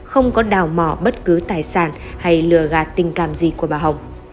hay lừa gạt tình cảm gì của bà hồng